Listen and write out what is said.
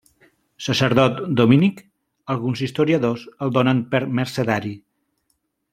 Sacerdot dominic, alguns historiadors el donen per mercedari.